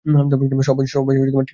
সবাই ঠিকঠাক আছে তো?